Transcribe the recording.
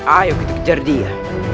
ayo kita kejar dia